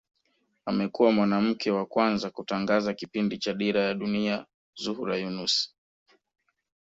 Amekuwa mwanamke wa kwanza kutangaza kipindi cha Dira ya Dunia Zuhura Yunus